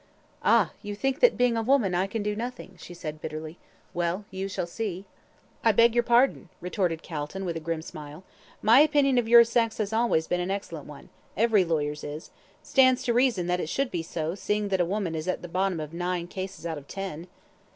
"Ah, you think that, being a woman, I can do nothing," she said, bitterly. "Well, you shall see." "I beg your pardon," retorted Calton, with a grim smile, "my opinion of your sex has always been an excellent one every lawyer's is; stands to reason that it should be so, seeing that a woman is at the bottom of nine cases out of ten."